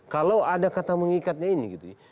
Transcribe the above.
kalau ada kata mengikatnya ini gitu ya